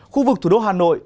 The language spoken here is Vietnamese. khu vực thủ đô hà nội